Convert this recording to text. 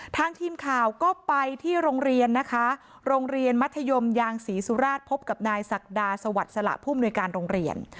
ทางทีมข่าวก็ไปที่โรงเรียนนะคะโรงเรียนมัธยมยางศรีสุราชพบกับนายศักดาสวัสดิ์สละผู้มนุยการโรงเรียน